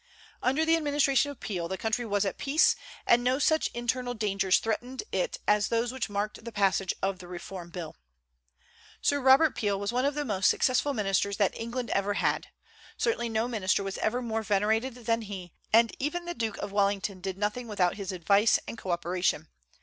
Under the administration of Peel the country was at peace, and no such internal dangers threatened it as those which marked the passage of the Reform Bill. Sir Robert Peel was one of the most successful ministers that England ever had. Certainly no minister was ever more venerated than he; and even the Duke of Wellington did nothing without his advice and co operation.